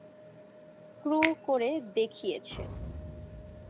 ক্রো করে দেখিয়েছে!